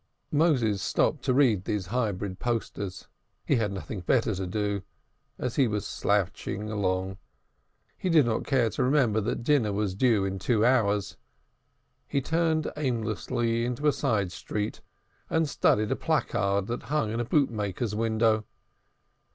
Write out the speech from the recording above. Moses stopped to read these hybrid posters he had nothing better to do as he slouched along. He did not care to remember that dinner was due in two hours. He turned aimlessly into Wentworth Street, and studied a placard that hung in a bootmaker's window.